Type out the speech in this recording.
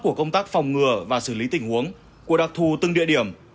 của công tác phòng ngừa và xử lý tình huống của đặc thù từng địa điểm